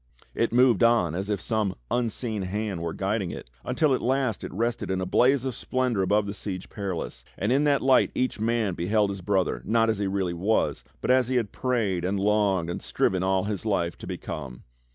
It moved on as if some unseen hand were guiding it until at last it rested in a blaze of splendor above the Siege Perilous, and in that light each man beheld his brother not as he really was, but as he had prayed and longed and striven all his life to become.